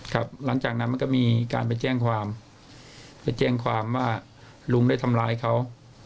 หลังจากนั้นมันก็มีการไปแจ้งความไปแจ้งความว่าลุงได้ทำร้ายเขา